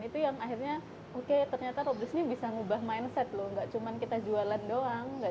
itu yang akhirnya oke ternyata robles ini bisa ngubah mindset loh nggak cuma kita jualan doang